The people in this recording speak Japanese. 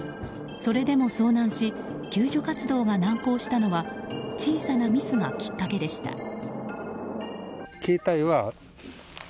それでも遭難し救助活動が難航したのは小さなミスがきっかけでした。